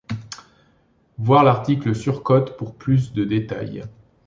Voir l'article surcote pour plus de détails.